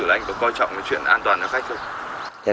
vậy là anh có coi trọng cái chuyện an toàn cho khách không